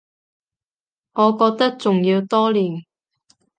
我覺得仲要多練